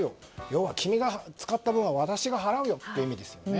要は、君が使った分は私が払うよということですね。